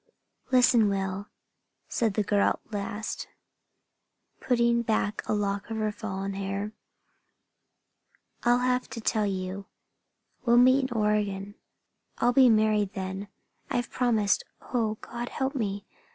"Listen, Will," said the girl at last, putting back a lock of her fallen hair. "I'll have to tell you. We'll meet in Oregon? I'll be married then. I've promised. Oh, God help me!